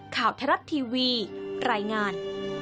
ข่าวแทรศทีวีรายงาน